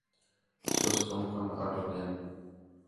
سُست تُم کم آڈردین